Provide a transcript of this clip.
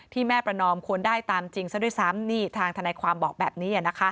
แม่ประนอมควรได้ตามจริงซะด้วยซ้ำนี่ทางทนายความบอกแบบนี้